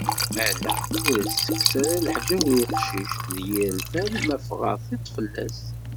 Ala ur as-ttekkes ara leḥjab i uqcic d yir lfal ma fɣa tiṭ fell-as.